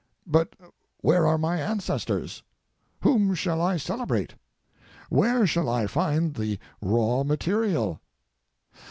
But where are my ancestors? Whom shall I celebrate? Where shall I find the raw material?